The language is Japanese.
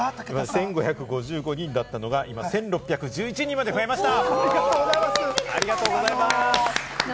１５５５人だったのが今１６１１人まで増えました！